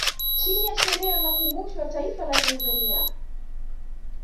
Chini ya sheria ya makumbusho ya Taifa la Tanzania